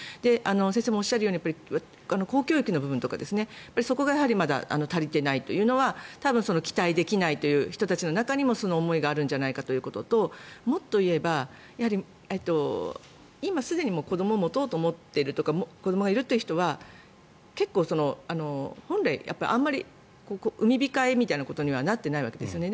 先生もおっしゃるように公教育の部分とかそこがまだ足りていないというのは多分、期待できないという人たちの中にもその思いがあるんじゃないかということともっと言えば、今すでに子どもを持とうと思っているというか子どもがいるという人は結構、本来あまり産み控えみたいなことにはなっていないわけですよね。